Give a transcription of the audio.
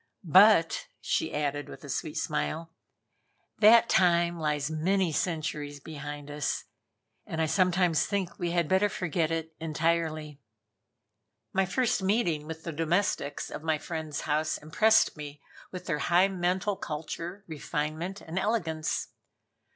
But," she added, with a sweet smile, "that time lies many centuries behind us, and I sometimes think we had better forget it entirely." My first meeting with the domestics of my friend's house impressed me with their high mental culture, refinement and elegance.